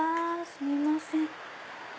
すみません。